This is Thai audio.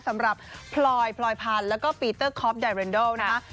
พลอยพลอยพันธุ์แล้วก็ปีเตอร์คอปไดเรนดอลนะคะ